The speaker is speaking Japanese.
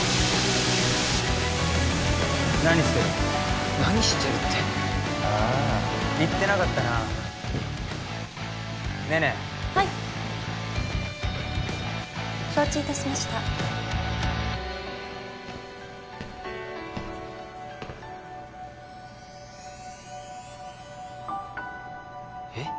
何してる何してるってああ言ってなかったな寧々はい承知いたしましたえっ？